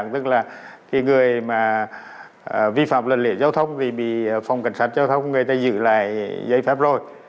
tức là cái người mà vi phạm lần lễ giao thông thì bị phòng cảnh sát giao thông người ta giữ lại giấy phép rồi